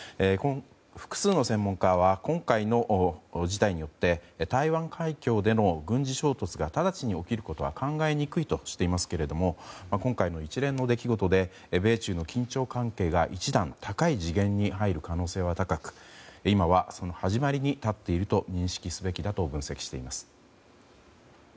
複数の専門家は今回の事態によって台湾海峡での軍事衝突が直ちに起きることは考えにくいとしていますけれども今回の一連の出来事で米中の緊張関係が一段、高い次元に入る可能性は高く今はその始まりに立っていると認識すべきだと分析しています。